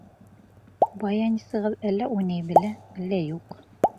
Баянисығыҙ әллә уйнай белә, әллә юҡ.